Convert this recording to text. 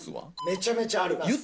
めちゃめちゃあります。